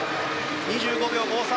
２５秒５３。